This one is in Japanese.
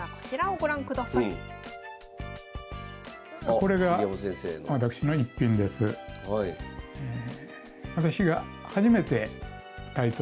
これが私の逸品です。え。